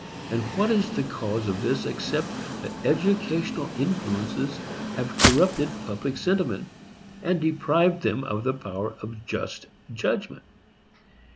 And what is the cause of this, except that educational influences have corrupted public sentiment, and deprived them of the power of just judgment?